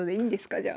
じゃあ。